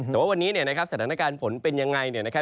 แต่ว่าวันนี้เนี่ยนะครับสถานการณ์ฝนเป็นยังไงเนี่ยนะครับ